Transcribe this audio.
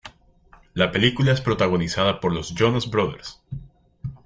La película es protagonizada por los Jonas Brothers.